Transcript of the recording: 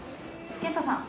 賢太さん